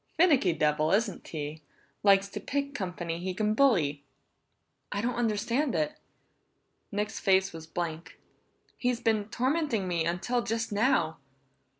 "Finicky devil, isn't he? Likes to pick company he can bully!" "I don't understand it!" Nick's face was blank. "He's been tormenting me until just now!"